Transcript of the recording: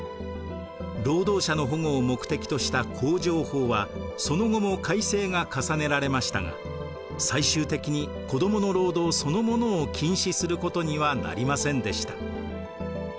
労働者の保護を目的とした工場法はその後も改正が重ねられましたが最終的に子どもの労働そのものを禁止することにはなりませんでした。